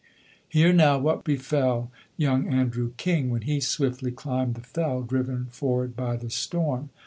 Hear now what befell young Andrew King when he swiftly climbed the fell, driven forward by the storm.